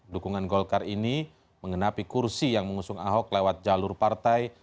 dukungan golkar ini mengenapi kursi yang mengusung ahok lewat jalur partai